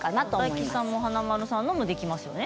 大吉さんのも華丸さんのもできますよね。